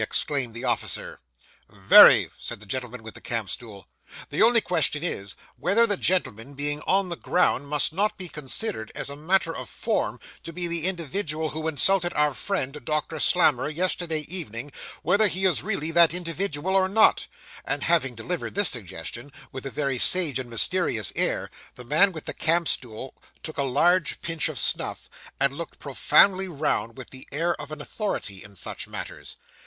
exclaimed the officer. 'Very,' said the gentleman with the camp stool. 'The only question is, whether the gentleman, being on the ground, must not be considered, as a matter of form, to be the individual who insulted our friend, Doctor Slammer, yesterday evening, whether he is really that individual or not;' and having delivered this suggestion, with a very sage and mysterious air, the man with the camp stool took a large pinch of snuff, and looked profoundly round, with the air of an authority in such matters.